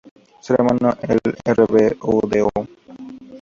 Su hermano el Rvdo.